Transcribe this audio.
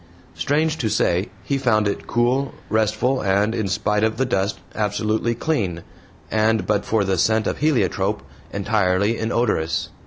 Strange to say, he found it cool, restful, and, in spite of the dust, absolutely clean, and, but for the scent of heliotrope, entirely inodorous.